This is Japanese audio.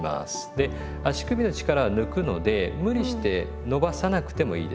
で足首の力を抜くので無理して伸ばさなくてもいいです。